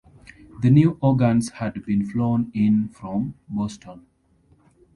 The new organs had been flown in from Boston.